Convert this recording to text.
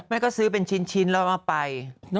แม่ก็ซื้อเป็นชิ้นแล้วเอาไป